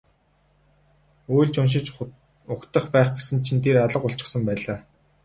Уйлж унжиж угтах байх гэсэн чинь тэр алга болчихсон байлаа.